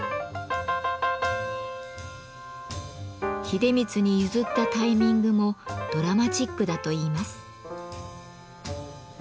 秀満に譲ったタイミングもドラマチックだといいます。